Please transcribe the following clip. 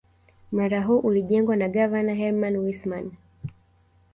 Mnara huu ulijengwa na gavana Herman Wissman